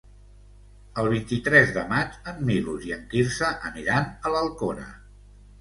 El vint-i-tres de maig en Milos i en Quirze aniran a l'Alcora.